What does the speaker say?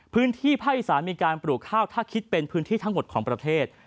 พื้นที่ภาคอีสานมีการปลูกข้าวถ้าคิดเป็นพื้นที่ทั้งหมดของประเทศ